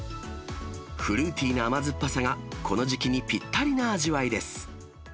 フルーティな甘酸っぱさがこの時期にぴったりな味わいです。